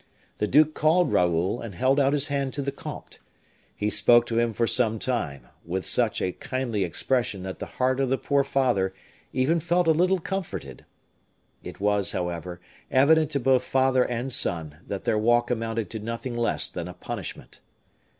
The duke called Raoul, and held out his hand to the comte. He spoke to him for some time, with such a kindly expression that the heart of the poor father even felt a little comforted. It was, however, evident to both father and son that their walk amounted to nothing less than a punishment.